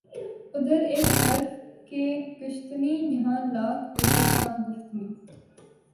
ادھر ایک حرف کہ کشتنی یہاں لاکھ عذر تھا گفتنی